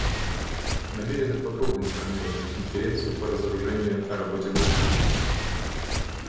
Намерены подробно информировать Конференцию по разоружению о работе группы.